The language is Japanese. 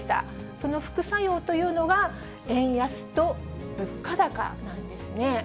その副作用というのが円安と物価高なんですね。